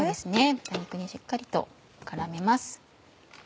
豚肉にしっかりと絡めます。